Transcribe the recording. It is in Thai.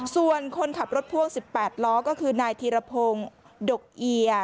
ส่วนคนขับรถพ่วง๑๘ล้อก็คือนายธีรพงศ์ดกเอีย